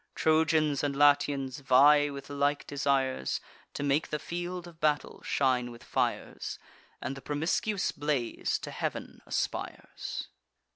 Trojans and Latians vie with like desires To make the field of battle shine with fires, And the promiscuous blaze to heav'n aspires.